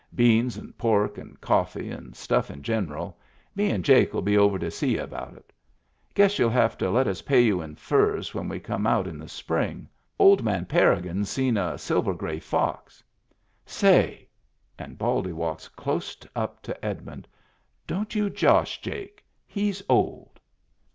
Beans and pork and coflFee, and stuflF in general — me and Jakell be over to see you about it. Guess youll have to let us pay you in furs when we come out in the spring. Old man Parrigin seen a silver gray iox. Say !" And Baldy walks clost up to Edmiuid. "Don't you josh Jake. He's old."